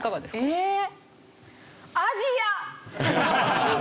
えっ。